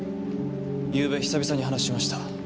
ゆうべ久々に話しました。